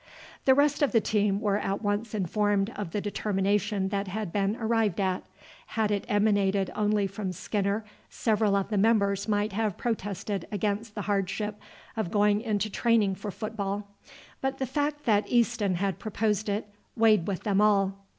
The rest of the team were at once informed of the determination that had been arrived at. Had it emanated only from Skinner several of the members might have protested against the hardship of going into training for football, but the fact that Easton had proposed it weighed with them all.